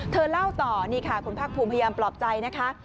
เล่าต่อนี่ค่ะคุณภาคภูมิพยายามปลอบใจนะคะ